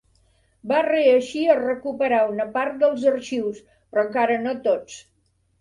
Va reeixir a recuperar una part dels arxius, però encara no tots.